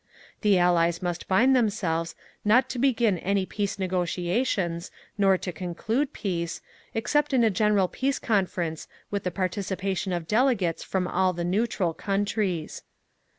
The Allies must bind themselves not to begin any peace negotiations, nor to conclude peace, except in a general Peace Conference with the participation of delegates from all the neutral countries.